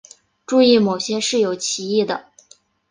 注意某些是有歧义的。